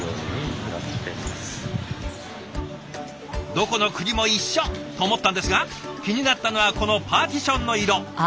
どこの国も一緒と思ったんですが気になったのはこのパーティションの色。